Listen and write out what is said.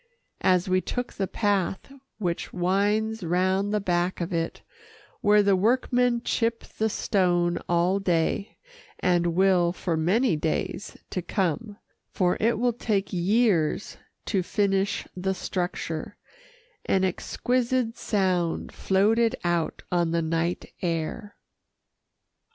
As we took the path which winds round the back of it, where the workmen chip the stone all day, and will for many days to come (for it will take years to finish the structure) an exquisite sound floated out on the night air.